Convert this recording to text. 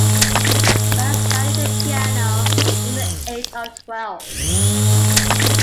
Buck studied the piano from the age of twelve.